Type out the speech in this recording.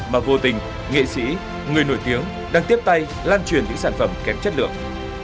mà vô tình nghệ sĩ người nổi tiếng đang tiếp tay lan truyền những sản phẩm kém chất lượng